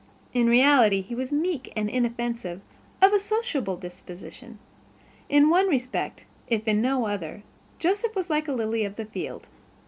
In reality he was meek and inoffensive, of a sociable disposition. In one respect, if in no other, Joseph was like a lily of the field.